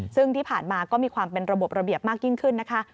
ซึ่งที่ผ่านมาก็มีความเป็นระบบระเบียบมากยิ่งขึ้นนะคะ